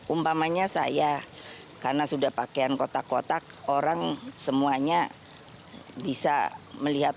umpamanya saya karena sudah pakaian kotak kotak orang semuanya bisa melihat